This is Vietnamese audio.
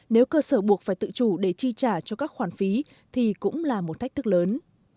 nếu cơ sở buộc phải tự chủ để chi trả cho các khoản phí thì cũng là một thách thức lớn